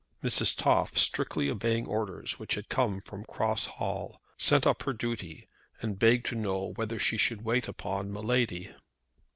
Mrs. Toff, strictly obeying orders which had come from Cross Hall, sent up her duty and begged to know whether she should wait upon my lady.